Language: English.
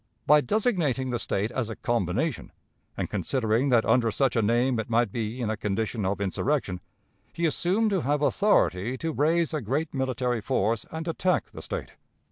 By designating the State as a "combination," and considering that under such a name it might be in a condition of insurrection, he assumed to have authority to raise a great military force and attack the State.